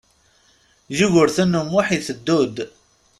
Yugurten U Muḥ iteddu-d.